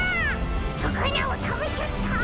さかなをたべちゃった！